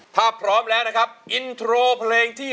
ถ้าพร้อมแล้วนะครับอินโทรเพลงที่๑